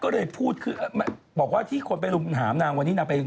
เรานี่ทำยังไง